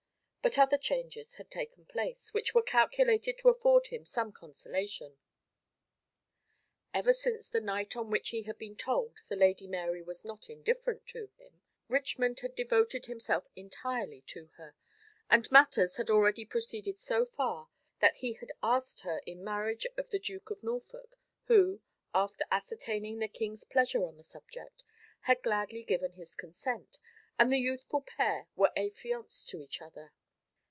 But other changes had taken place, which were calculated to afford him some consolation. Ever since the night on which he had been told the Lady Mary was not indifferent to him, Richmond had devoted himself entirely to her; and matters had already proceeded so far, that he had asked her in marriage of the Duke of Norfolk, who, after ascertaining the king's pleasure on the subject, had gladly given his consent, and the youthful pair were affianced to each other.